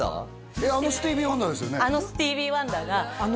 あのスティーヴィー・ワンダーがあの？